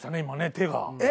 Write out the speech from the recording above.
今ね手が。